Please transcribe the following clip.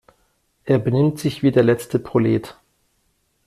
Er benimmt sich wie der letzte Prolet.